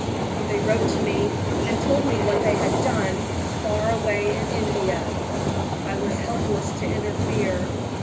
They wrote to me and told me what they had done, far away in India. I was helpless to interfere.